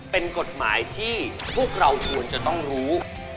เป็นกฎหมายที่พวกเราควรจะต้องรู้